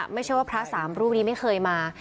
ไม่ใช่ว่าพระสามรูปนี้ไม่เคยมา